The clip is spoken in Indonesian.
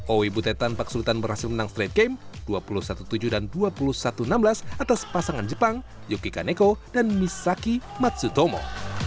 owi butet tanpa kesulitan berhasil menang straight game dua puluh satu tujuh dan dua puluh satu enam belas atas pasangan jepang yuki kaneko dan misaki matsutomo